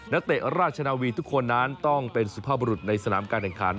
เตะราชนาวีทุกคนนั้นต้องเป็นสุภาพบรุษในสนามการแข่งขัน